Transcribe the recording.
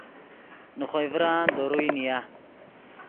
نے خوئے ڤران دے روئے نیا